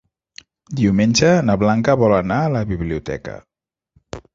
Diumenge na Blanca vol anar a la biblioteca.